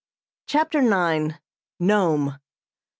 CHAPTER IX. NOME.